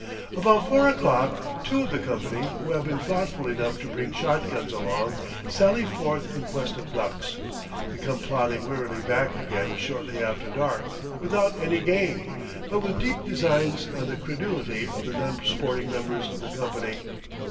About four o'clock two of the company, who have been thoughtful enough to bring shotguns along, sally forth in quest of ducks. They come plodding wearily back again shortly after dark, without any game, but with deep designs on the credulity of the non sporting members of the company.